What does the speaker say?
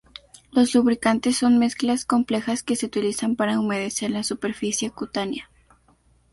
Los lubricantes son mezclas complejas que se utilizan para humedecer la superficie cutánea.